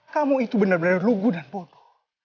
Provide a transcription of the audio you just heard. kamu itu benar benar lugu dan bodoh